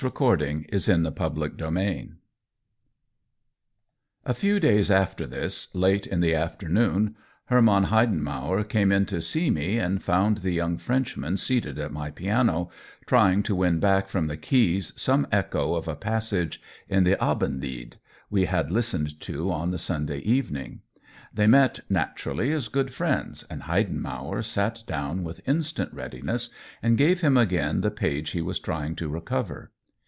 cried Vendemer. i COLLABORATION 123 A few days after this, late in the after noon, Herman Heidenmauer came in to see me and found the young Frenchman seated at my piano — trying to win back from the keys some echo of a passage in the Abend lied we had listened to on the Sunday even ing. They met, naturally, as good friends, and Heidenmauer sat down with instant readiness and gave him again the page he was trying to recover.